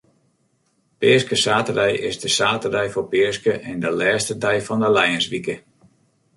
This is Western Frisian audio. Peaskesaterdei is de saterdei foar Peaske en de lêste dei fan de lijenswike.